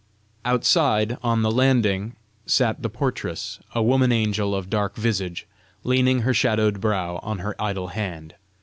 Outside, on the landing, sat the portress, a woman angel of dark visage, leaning her shadowed brow on her idle hand.